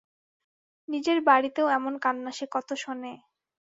নিজের বাড়িতেও এমন কান্না সে কত শোনে।